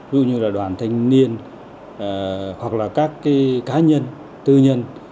dù như là đoàn thanh niên hoặc là các cá nhân tư nhân